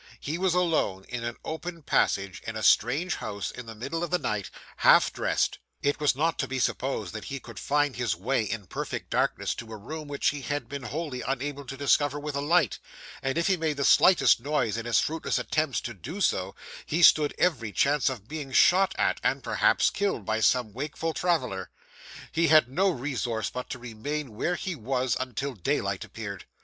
He was alone, in an open passage, in a strange house in the middle of the night, half dressed; it was not to be supposed that he could find his way in perfect darkness to a room which he had been wholly unable to discover with a light, and if he made the slightest noise in his fruitless attempts to do so, he stood every chance of being shot at, and perhaps killed, by some wakeful traveller. He had no resource but to remain where he was until daylight appeared.